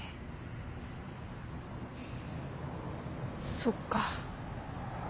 そっか。